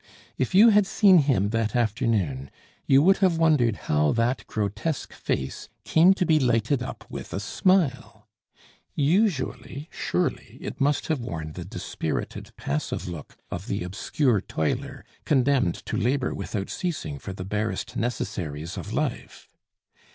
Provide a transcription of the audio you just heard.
If you had seen him that afternoon, you would have wondered how that grotesque face came to be lighted up with a smile; usually, surely, it must have worn the dispirited, passive look of the obscure toiler condemned to labor without ceasing for the barest necessaries of life.